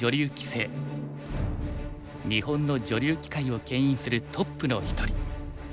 日本の女流棋界をけん引するトップの一人。